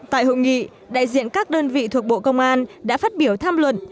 tại hội nghị đại diện các đơn vị thuộc bộ công an đã phát biểu tham luận